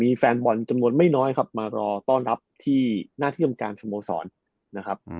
มีแฟนบอลจำนวนไม่น้อยครับมารอต้อนรับที่หน้าที่ทำการสโมสรนะครับ